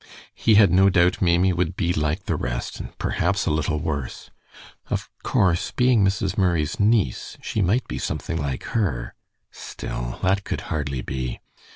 He had no doubt Maimie would be like the rest, and perhaps a little worse. Of course, being Mrs. Murray's niece, she might be something like her. Still, that could hardly be.